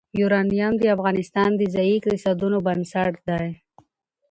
یورانیم د افغانستان د ځایي اقتصادونو بنسټ دی.